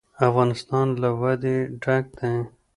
افغانستان له وادي ډک دی.